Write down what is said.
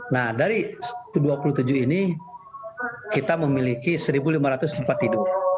nah dari dua puluh tujuh ini kita memiliki satu lima ratus tempat tidur